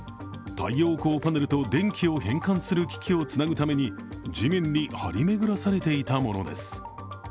太陽光パネルと電気を変換する機器をつなぐために地面に張り巡られさていたものです。